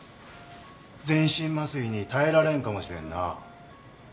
全身麻酔に耐えられんかもしれんな。